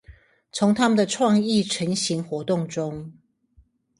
從他們的創意晨型活動中